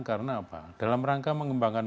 karena apa dalam rangka mengembangkan